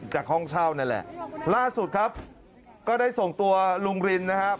ห้องเช่านั่นแหละล่าสุดครับก็ได้ส่งตัวลุงรินนะครับ